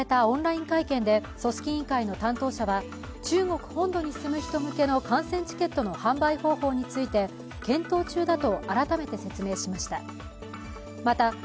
オンライン会見で組織委員会の担当者は中国本土に住む人向けの観戦チケットの販売方法について検討中だと改めて説明しました。